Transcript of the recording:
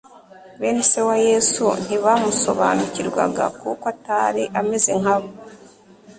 Bene se wa Yesu ntibamusobanukirwaga kuko atari ameze nkabo.